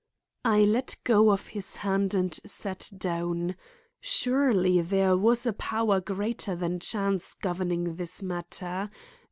I let go of his hand and sat down. Surely there was a power greater than chance governing this matter.